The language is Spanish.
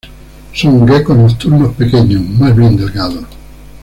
Son gecos nocturnos pequeños, más bien delgados.